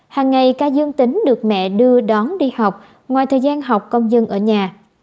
hàng ngày ca dương tính được mẹ đưa đón đi học ngoài thời gian học công dân ở nhà